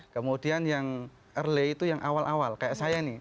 kemudian yang early itu yang awal awal kayak saya nih